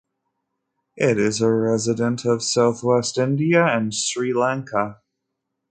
It is a resident of southwest India and Sri Lanka.